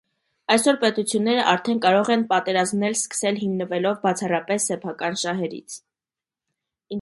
Այսօր պետությունները արդեն կարող են պատերազմնել սկսել հիմնվելով բացառապես սեփական շահերից։